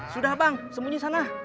sudah bang sembunyi sana